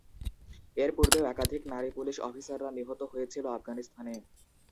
এর পূর্বেও একাধিক নারী পুলিশ অফিসাররা নিহত হয়েছিল আফগানিস্তানে।